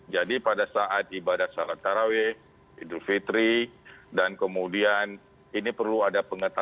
jadi pada saat ibadah salat taraweh hidup fitri dan kemudian ini perlu ada pengetahuan